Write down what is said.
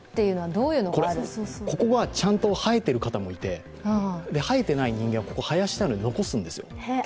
ここがちゃんと生えている方もいて、生えていない人間は、生やしたいので残すんですよ。